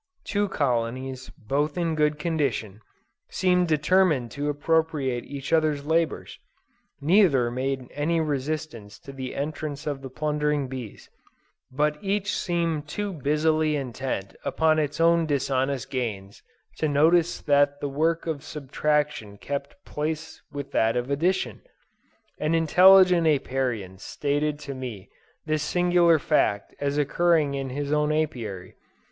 Two colonies, both in good condition, seemed determined to appropriate each other's labors: neither made any resistance to the entrance of the plundering bees; but each seemed too busily intent upon its own dishonest gains, to notice that the work of subtraction kept pace with that of addition. An intelligent Apiarian stated to me this singular fact as occurring in his own Apiary.